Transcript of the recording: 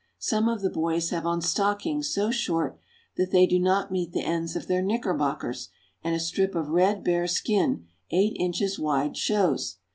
Some of the boys have on stockings so short that they do not meet the ends of their knickerbockers, and a strip of red, bare skin eight inches wide shows.